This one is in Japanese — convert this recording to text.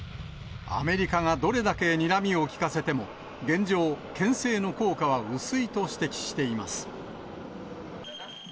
アメリカがどれだけにらみを利かせても、現状、けん制の効果は薄いと指摘しています。